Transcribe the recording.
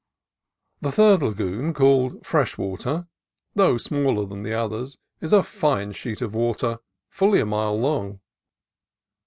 The third lagoon, called Freshwater, though smaller than the others, is a fine sheet of water, fully a mile long.